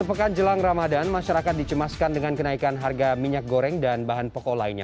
sepekan jelang ramadan masyarakat dicemaskan dengan kenaikan harga minyak goreng dan bahan pokok lainnya